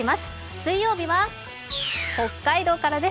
水曜日は北海道からです。